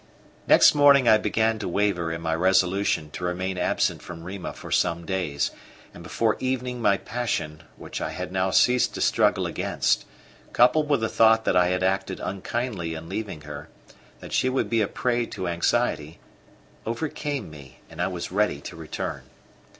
Next morning I began to waver in my resolution to remain absent from Rima for some days; and before evening my passion, which I had now ceased to struggle against, coupled with the thought that I had acted unkindly in leaving her, that she would be a prey to anxiety, overcame me, and I was ready to return.